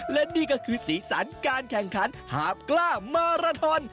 และนี่ก็คือสีสันการแข่งขันหาบกล้ามาราทอน